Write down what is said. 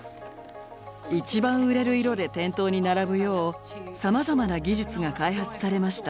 一番売れる色で店頭に並ぶようさまざまな技術が開発されました。